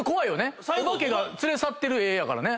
お化けが連れ去ってる絵やからね。